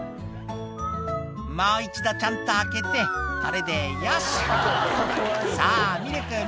もう一度、ちゃんと開けて、これでよし。